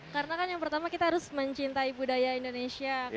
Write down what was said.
karena kan yang pertama kita harus mencintai budaya indonesia